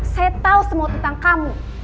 saya tahu semua tentang kamu